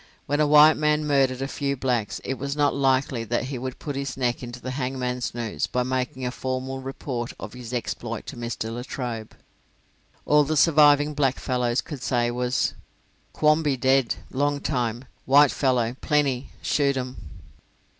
When a white man murdered a few blacks it was not likely that he would put his neck into the hangman's noose by making a formal report of his exploit to Mr. Latrobe. All the surviving blackfellow could say was: "Quamby dead long time white fellow plenty shoot 'em."